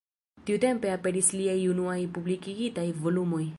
Tiutempe aperis liaj unuaj publikigitaj volumoj.